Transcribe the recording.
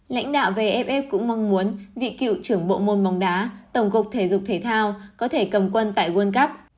lãnh đạo vff cũng mong muốn vị cựu trưởng bộ môn bóng đá tổng cục thể dục thể thao có thể cầm quân tại world cup